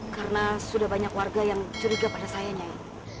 karena sudah banyak warga yang curiga pada saya nyai